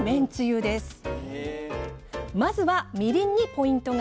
まずはみりんにポイントが！